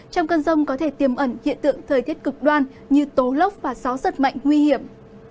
trong cơn rông có thể tiềm ẩn hiện tượng thời tiết cực đoan như tố lốc và gió giật mạnh nguy hiểm